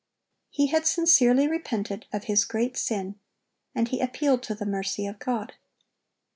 He had sincerely repented of his great sin, and he appealed to the mercy of God.